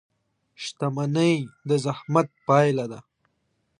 • شتمني د زحمت پایله ده.